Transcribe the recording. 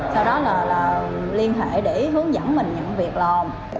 sau đó là liên hệ để hướng dẫn mình nhận việc làm